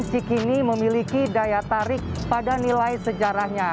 cik ini memiliki daya tarik pada nilai sejarahnya